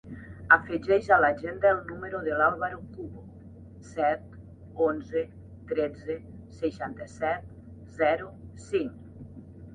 Afegeix a l'agenda el número del Álvaro Cubo: set, onze, tretze, seixanta-set, zero, cinc.